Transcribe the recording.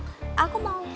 aku mau menikah dengan reva